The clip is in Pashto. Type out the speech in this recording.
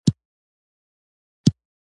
لمسی له تندې نه شیدې غواړي.